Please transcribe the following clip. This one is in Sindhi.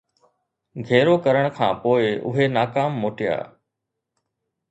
گهيرو ڪرڻ کان پوءِ اهي ناڪام موٽيا